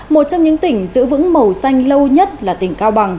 một trong những tỉnh giữ vững màu xanh lâu nhất là tỉnh cao bằng